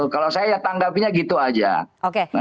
kalau saya ya tanggapinya gitu aja